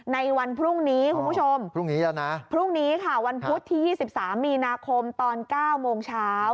ในวันพรุ่งนี้คุณผู้ชมวันพุธที่๒๓มีนาคมตอน๙โมงเช้า